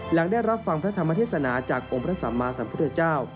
หลังได้รับฟังพระธรรมเทศนาจากองค์พระสัมมาสัมพุทธเจ้า